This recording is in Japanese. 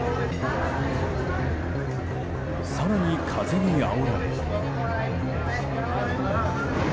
更に風にあおられ。